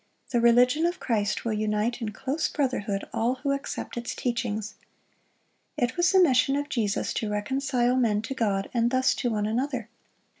The religion of Christ will unite in close brotherhood all who accept its teachings. It was the mission of Jesus to reconcile men to God, and thus to one another.